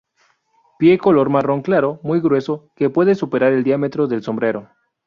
Pie color marrón claro, muy grueso, que puede superar el diámetro del sombrero.